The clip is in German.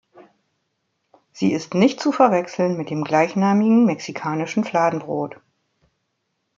Sie ist nicht zu verwechseln mit dem gleichnamigen mexikanischen Fladenbrot.